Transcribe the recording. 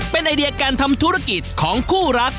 เป็นไอเดียการทำธุรกิจของคู่รัก